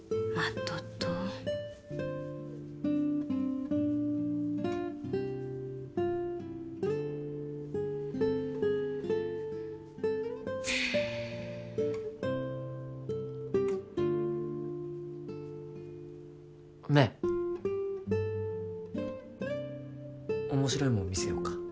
とっとねえ面白いもん見せようか？